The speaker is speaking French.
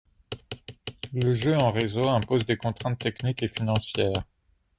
Le jeu en réseau impose des contraintes techniques et financières.